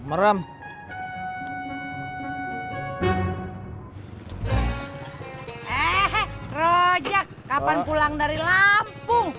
merem rojak kapan pulang dari lampung